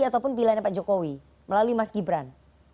ataupun pilihannya pak jokowi melalui mas gibran